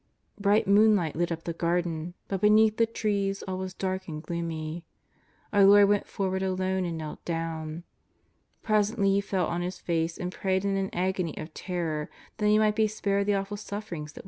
Bright moonlight lit up the Garden, but beneath the trees all was dark and gloomy. Our Lord went for ward alone and knelt down. Presently He fell on His face and prayed in an agony of terror that He might be spared the awful sufferings that were at hand.